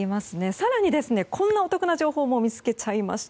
更に、こんなお得な情報も見つけちゃいました。